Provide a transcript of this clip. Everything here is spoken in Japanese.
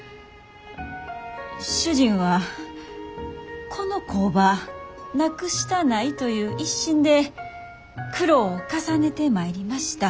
主人はこの工場なくしたないという一心で苦労を重ねてまいりました。